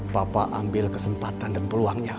papa ambil kesempatan dan peluangnya